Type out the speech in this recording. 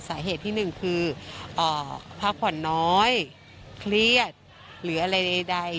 สาเหตุที่หนึ่งคือพักผ่อนน้อยเครียดหรืออะไรใด